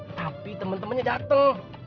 tapi temen temennya dateng